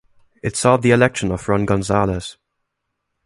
It saw the election of Ron Gonzales.